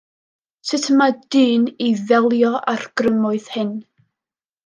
Sut mae dyn i ddelio â'r grymoedd hyn?